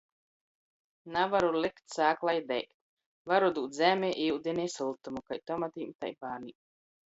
Navaru likt sāklai deigt. Varu dūt zemi, iudini i syltumu. Kai tomatim, tai bārnim.